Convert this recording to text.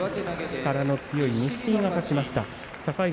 力の強い、錦木が勝ちました。